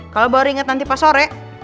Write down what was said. kalau baru ingat nanti pas sore